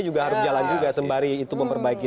juga harus jalan juga sembari itu memperbaiki